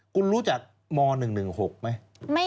คุณรู้จักม๑๑๖ไหม